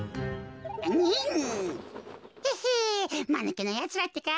まぬけなやつらってか。